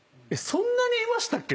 そんなにいましたっけ？